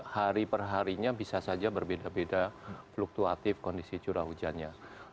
hari perharinya bisa saja berbeda beda fluktuatif kondisi curah hujannya